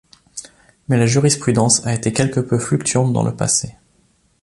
Mais la jurisprudence a été quelque peu fluctuante dans le passé.